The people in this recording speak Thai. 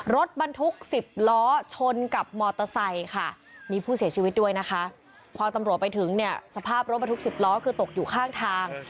รถบรรทุก๑๐ล้อชนกับมอเตอร์ไซค์ค่ะมีผู้เสียชีวิตด้วยนะคะพอตำรวจไปถึงเนี่ยสภาพรถบรรทุก๑๐ล้อคือตกอยู่ข้างทาง